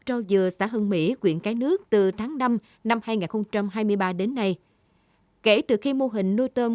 trâu dừa xã hưng mỹ quyện cái nước từ tháng năm năm hai nghìn hai mươi ba đến nay kể từ khi mô hình nuôi tôm